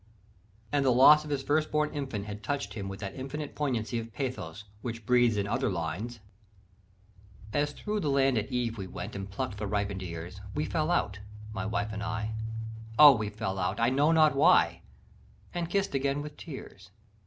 And the loss of his first born infant had touched him with that infinite poignancy of pathos, which breathes in other lines: "As thro' the land at eve we went And pluck'd the ripened ears, We fell out, my wife and I, O! we fell out, I know not why, And kiss'd again with tears.